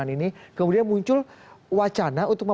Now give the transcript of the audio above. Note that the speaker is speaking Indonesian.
dengan koalisi gerindra dan pks